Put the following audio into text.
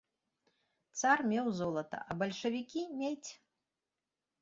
Цар меў золата, а бальшавікі медзь!